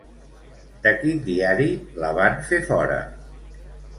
De quin diari la van fer fora?